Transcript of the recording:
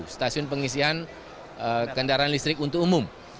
stasiun pengisian kendaraan listrik untuk umum